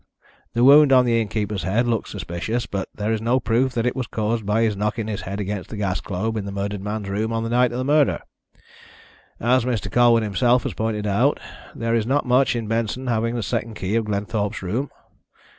The wound on the innkeeper's head looks suspicious, but there is no proof that it was caused by his knocking his head against the gas globe in the murdered man's room on the night of the murder. As Mr. Colwyn himself has pointed out, there is not much in Benson having a second key of Glenthorpe's room.